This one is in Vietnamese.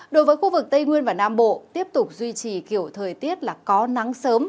đối với khu vực tây nguyên và nam bộ tiếp tục duy trì kiểu thời tiết là có nắng sớm